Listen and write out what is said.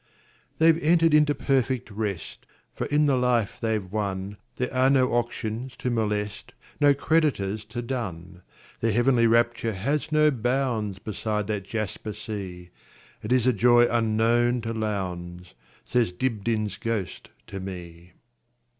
"They 've entered into perfect rest; For in the life they 've wonThere are no auctions to molest, No creditors to dun. Their heavenly rapture has no boundsBeside that jasper sea; It is a joy unknown to Lowndes,"Says Dibdin's ghost to me.